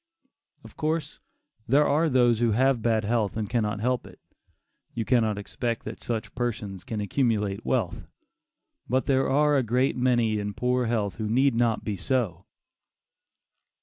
Of course, there are those who have bad health and cannot help it; you cannot expect that such persons can accumulate wealth; but there are a great many in poor health who need not be so.